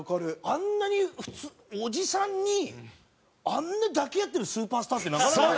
あんなに普通おじさんにあんな抱き合ってるスーパースターってなかなか。